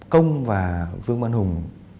công và vương văn hùng